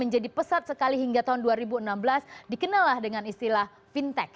menjadi pesat sekali hingga tahun dua ribu enam belas dikenallah dengan istilah fintech